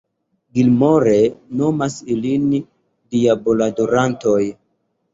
Gilmore nomas ilin "diabol-adorantoj.